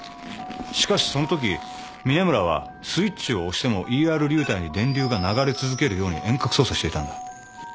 しかしそのとき峰村はスイッチを押してもＥＲ流体に電流が流れ続けるように遠隔操作していたんだ。